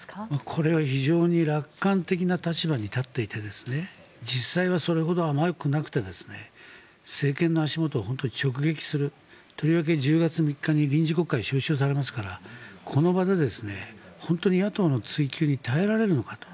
これは非常に楽観的な立場に立っていて実際はそれほど甘くなくて政権の足元を直撃するとりわけ１０月３日に臨時国会が召集されますからこの場で本当に野党の追及に耐えられるのかと。